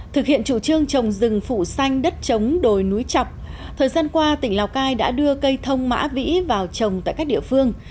thực hiện chủ trương trồng rừng phủ xanh đất trống đồi núi chọc thời gian qua tỉnh lào cai đã đưa cây thông mã vĩ vào trồng tại các địa phương